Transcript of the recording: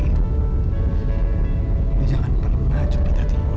lu jangan peluna cupit hati gua